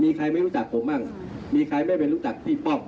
มีใครไม่รู้จักผมบ้างมีใครไม่ไปรู้จักพี่ป้อม